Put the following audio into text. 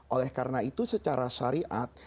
oleh karena itu secara syariat